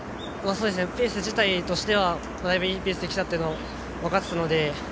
ペース自体としてはだいぶいいペースで来ていたのは分かってたので。